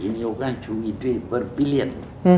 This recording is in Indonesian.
ini orang curi duit berbilion